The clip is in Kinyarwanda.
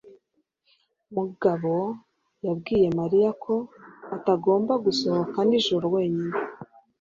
Mugabo yabwiye Mariya ko atagomba gusohoka nijoro wenyine.